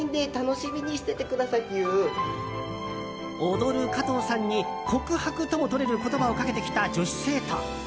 踊る加藤さんに告白ともとれる言葉をかけてきた女子生徒。